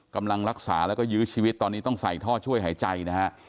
กำลังรักษาแล้วก็ยื้อชีวิตตอนนี้ต้องใส่ท่อช่วยหายใจนะฮะ